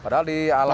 padahal di alamnya